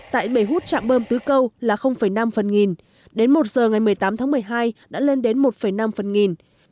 tại bể hút trạm bơm tứ câu là năm phần nghìn đến một giờ ngày một mươi tám tháng một mươi hai đã lên đến một năm phần nghìn